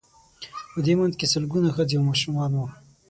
په دې منځ کې سلګونه ښځې او ماشومان وو.